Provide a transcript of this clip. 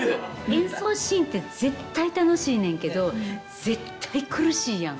演奏シーンって絶対楽しいねんけど絶対苦しいやん？